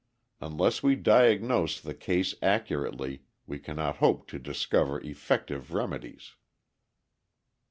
Unless we diagnose the case accurately, we cannot hope to discover effective remedies.